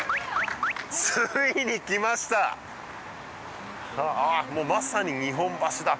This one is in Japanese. ついにきましただ